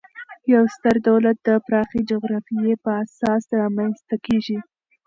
یو ستر دولت د پراخي جغرافیې پر اساس رامنځ ته کیږي.